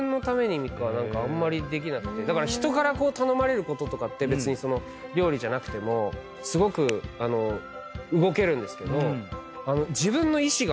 だから人から頼まれることとかって別に料理じゃなくてもすごく動けるんですけど。